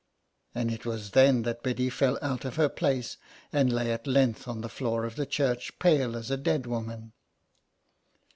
And it was then that Biddy fell out of her place and lay at length on the floor of the church, pale as a dead woman.